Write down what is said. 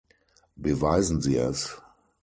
Beweisen Sie es.